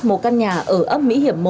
một căn nhà ở ấp mỹ hiểm một